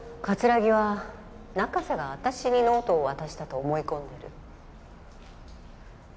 葛城は中瀬が私にノートを渡したと思い込んでる。